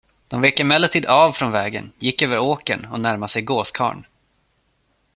De vek emellertid av från vägen, gick över åkern och närmade sig gåskarlen.